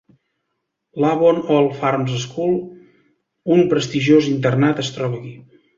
L'Avon Old Farms School, un prestigiós internat, es troba aquí.